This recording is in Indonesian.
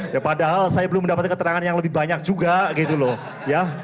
ya padahal saya belum mendapatkan keterangan yang lebih banyak juga gitu loh ya